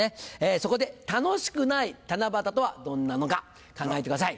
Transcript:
そこで楽しくない七夕とはどんなのか考えてください。